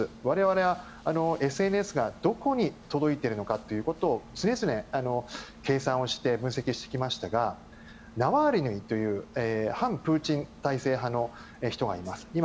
我々はＳＮＳがどこに届いているのかを常々、計算をして分析してきましたがナワリヌイという反プーチン体制派の人がいます。